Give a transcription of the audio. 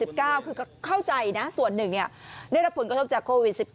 คือเข้าใจนะส่วนหนึ่งได้รับผลกระทบจากโควิด๑๙